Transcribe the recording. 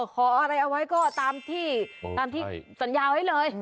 ขออะไรเอาไว้ก็ตามที่สัญญาไว้เลย